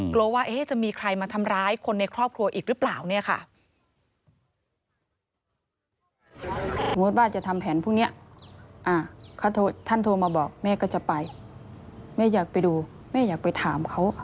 กลัวว่าจะมีใครมาทำร้ายคนในครอบครัวอีกหรือเปล่า